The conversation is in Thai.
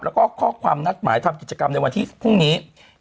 แล้วก็ข้อความนัดหมายทำกิจกรรมในวันที่พรุ่งนี้